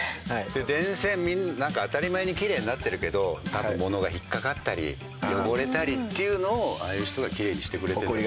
電線当たり前にきれいになってるけど多分物が引っかかったり汚れたりっていうのをああいう人がきれいにしてくれてるのよ。